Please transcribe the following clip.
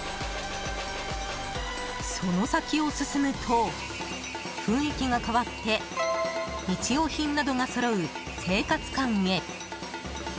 その先を進むと雰囲気が変わって日用品などがそろう生活館へ。